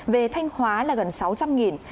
về thanh hóa là gần sáu trăm linh